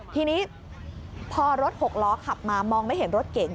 ทีนี้พอรถหกล้อขับมามองไม่เห็นรถเก๋ง